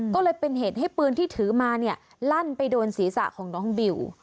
ก็เลยเป็นเหตุให้ปืนที่ถือมาเนี่ยลั่นไปโดนศีรษะของน้องบิว